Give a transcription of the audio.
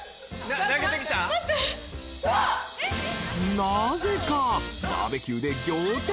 ［なぜか］